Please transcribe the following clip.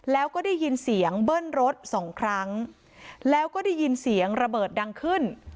แล้วก็ได้ยินเสียงเบิ้ลรถสองครั้งแล้วก็ได้ยินเสียงระเบิดดังขึ้น